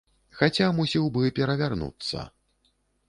Хаця мусіў бы перавярнуцца.